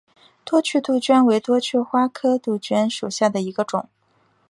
多趣杜鹃为杜鹃花科杜鹃属下的一个种。